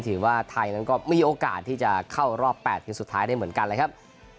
ถือว่าไทยนั้นก็มีโอกาสที่จะเข้ารอบ๘ทีมสุดท้ายได้เหมือนกันเลยครับ